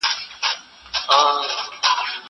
که وخت وي، د کتابتون کتابونه لوستل کوم.